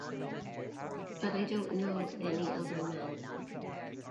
But I don’t know any other men.